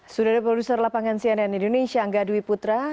sudara produser lapangan cnn indonesia angga dewi putra